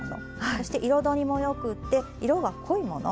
そして彩りもよくて色が濃いもの。